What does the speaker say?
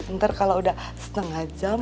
ntar kalau udah setengah jam